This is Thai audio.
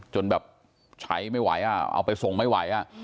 จนแบบใช้ไม่ไหวเอาไปส่งไม่ไหว